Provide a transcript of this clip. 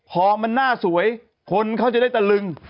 พอมันหน้าสวยคนเขาจะได้ตะลึง